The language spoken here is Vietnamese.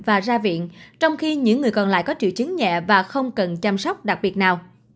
và ra viện trong khi những người còn lại có triệu chứng nhẹ và không cần chăm sóc đặc biệt nào